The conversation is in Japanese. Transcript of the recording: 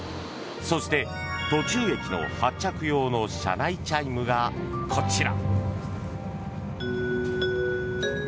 そして、途中駅の発着用の車内チャイムがこちら。